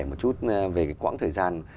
một chút về cái quãng thời gian